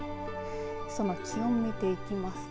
その気温を見ていきますと